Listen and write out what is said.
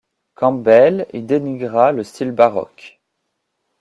Campbell y dénigra le style baroque.